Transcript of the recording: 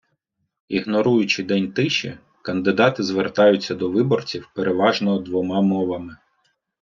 Ігноруючи день тиші, кандидати звертаються до виборців переважно двома мовами.